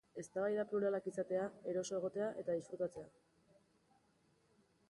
Eztabaida pluralak izatea, eroso egotea eta disfrutatzea.